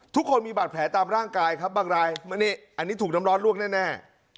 ทุกคนมีบัตรแผลตามร่างกายครับบางรายมานี่อันนี้ถูกทำร้อนล่วงแน่แน่